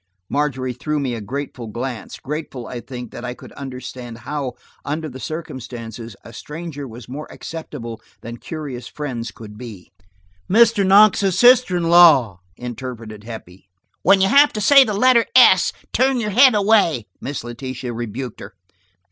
Margery threw me a grateful glance, grateful, I think, that I could understand how, under the circumstances, a stranger was more acceptable than curious friends could be. "Mr. Knox's sister in law!" interpreted Heppie. "When you have to say the letter 's,' turn your head away," Miss Letitia rebuked her.